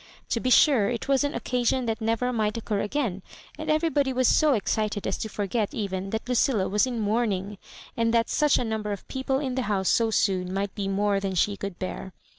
To be sure. It was an occasion tlmt never might occur again, and everybody was so excited as to forget even that Lucilla was in mourning, aud that such a number of people in the house so soon might be more than she could bear.